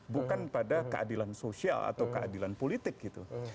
bukan pada keadilan sosial atau keadilan politik gitu